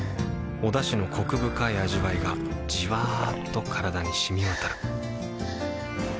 おだしのコク深い味わいがじわっと体に染み渡るはぁ。